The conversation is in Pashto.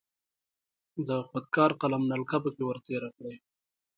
د خودکار قلم نلکه پکې ور تیره کړئ.